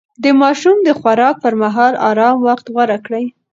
د ماشوم د خوراک پر مهال ارام وخت غوره کړئ.